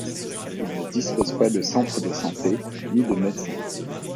Il ne dispose pas de centre de santé ni de médecin.